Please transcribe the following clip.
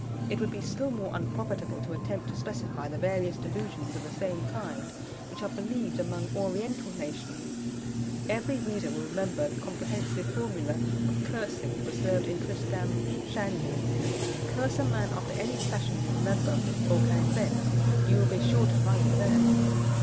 It would be still more unprofitable to attempt to specify the various delusions of the same kind which are believed among oriental nations. Every reader will remember the comprehensive formula of cursing preserved in Tristram Shandy curse a man after any fashion you remember or can invent, you will be sure to find it there.